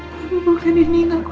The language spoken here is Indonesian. tapi bukan ini naku